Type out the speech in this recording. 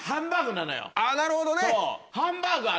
なるほどね。